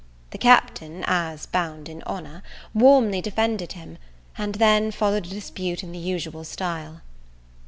The Captain, as bound in honour, warmly defended him, and then followed a dispute in the usual style.